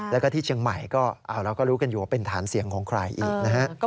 แล้วก็ที่เชียงใหม่ก็เราก็รู้กันอยู่ว่าเป็นฐานเสียงของใครอีกนะฮะ